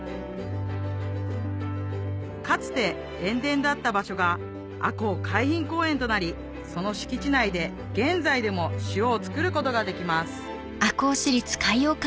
かつて塩田だった場所が赤穂海浜公園となりその敷地内で現在でも塩を作ることができます